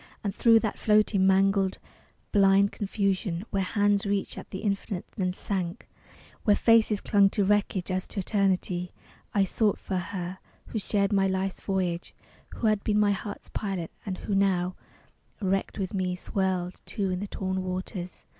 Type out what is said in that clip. And thro that floating, mangled, blind confusion, Where hands reached at the infinite then sank, Where faces clung to wreckage as to eternity, I sought for her who shared my life's voyage, Who had been my heart's pilot; and who now, Wrecked with me, swirled, too, in the torn waters....